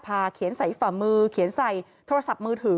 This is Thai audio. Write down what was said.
ถ้าส่วนตัวเราก็เชื่อร่านนี้ก็ไม่ได้เสียหายอะไร